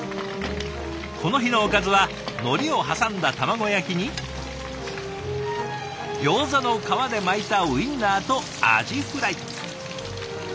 この日のおかずはのりを挟んだ卵焼きにギョーザの皮で巻いたウインナーとアジフライ。